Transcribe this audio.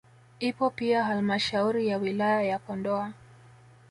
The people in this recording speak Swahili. Ipo pia halmashauri ya wilaya ya Kondoa